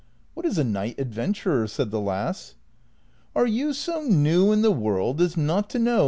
" What is a knight adventurer ?" said the lass. " Are you so new in the world as not to know